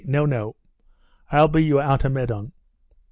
No, no! I'll be your Automedon.